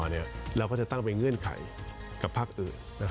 เราก็จะตั้งเป็นเงื่อนไขกับภาคอื่น